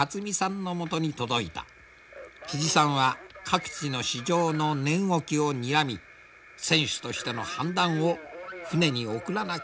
さんは各地の市場の値動きをにらみ船主としての判断を船に送らなければならない。